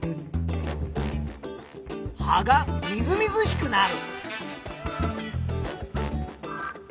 葉がみずみずしくなる。